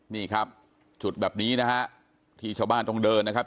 นี่ครับจุดแบบนี้นะฮะที่ชาวบ้านต้องเดินนะครับ